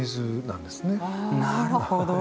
なるほど。